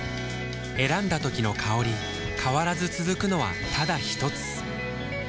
選んだ時の香り変わらず続くのはただひとつ？